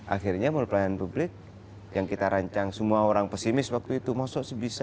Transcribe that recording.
akhirnya mall pelayanan publik yang kita rancang semua orang pesimis waktu itu masa bisa masa bisa